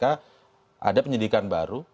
ada penyidikan baru